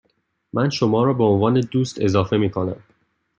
من شما را به عنوان دوست اضافه می کنم.